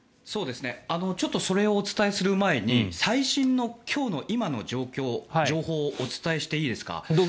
ちょっとそれをお伝えする前に最新の今日の今の情報をお伝えしていいですか。